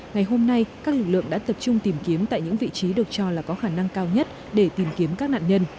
ngày hôm nay các lực lượng đã tập trung tìm kiếm tại những vị trí được cho là có khả năng cao nhất để tìm kiếm các nạn nhân